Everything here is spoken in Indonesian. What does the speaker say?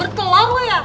bertelur lo ya